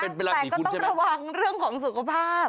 แต่ก็ต้องระวังเรื่องของสุขภาพ